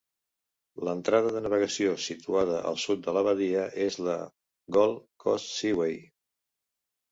L'entrada de navegació situada al sud de la badia és la Gold Coast Seaway.